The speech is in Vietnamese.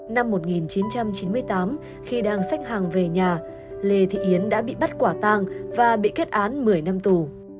năm một nghìn chín trăm chín mươi tám khi đang xếp hàng về nhà lê thị yến đã bị bắt quả tang và bị kết án một mươi năm tù